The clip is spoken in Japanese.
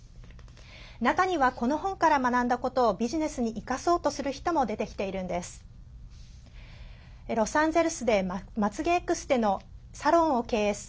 中には、この本から学んだことをビジネスに生かそうとする人も出てきているんです。